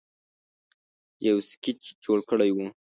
یو سکیچ جوړ کړی وو